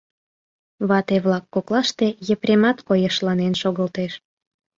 Вате-влак коклаште Епремат койышланен шогылтеш.